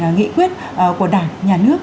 nghị quyết của đảng nhà nước